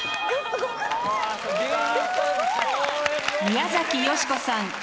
宮崎美子さん